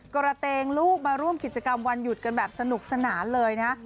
กระเตงลูกมาร่วมกิจกรรมวันหยุดกันแบบสนุกสนานเลยนะ